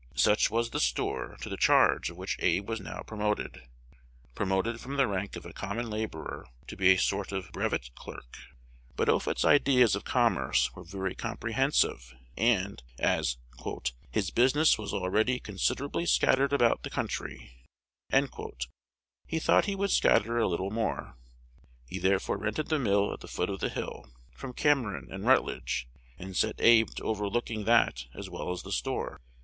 Such was the store to the charge of which Abe was now promoted, promoted from the rank of a common laborer to be a sort of brevet clerk. But Offutt's ideas of commerce were very comprehensive; and, as "his business was already considerably scattered about the country," he thought he would scatter a little more. He therefore rented the mill at the foot of the hill, from Cameron and Rutledge, and set Abe to overlooking that as well as the store.